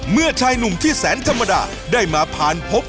เมื่อชายหนุ่มที่แสนธรรมดาได้มาพาลพบกับดอกฝา